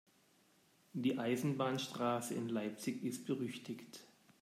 Die Eisenbahnstraße in Leipzig ist berüchtigt.